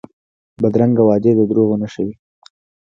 بدرنګه وعدې د دروغو نښه وي